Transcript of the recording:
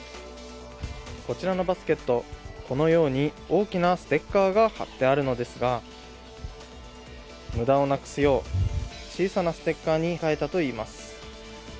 こちらのバスケット、このように大きなステッカーが貼ってあるのですが、無駄をなくすよう小さなステッカーに変えたということです。